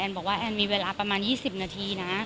บอกว่าแอนมีเวลาประมาณ๒๐นาทีนะ